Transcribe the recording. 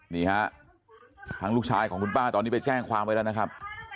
นี่ฮะทางลูกชายของคุณป้าตอนนี้ไปแจ้งความไว้แล้วนะครับ